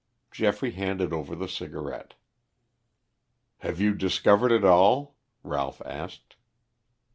Geoffrey handed over the cigarette. "Have you discovered it all?" Ralph asked.